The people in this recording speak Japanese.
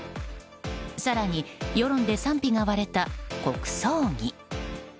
更に、世論で賛否が割れた国葬儀。